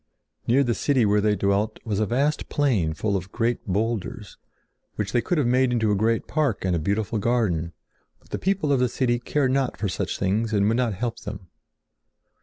Near the city where they dwelt was a vast plain full of great boulders, which they could have made into a great park and a beautiful garden; but the people of the city cared not for such things and would not help them.